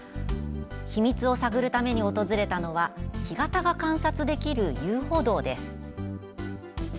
秘密を探るために訪れたのは干潟が観察できる遊歩道です。